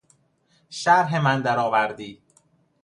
شرح من درآوردی